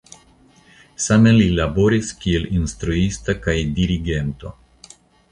Same li laboris kiel instruisto kaj dirigento.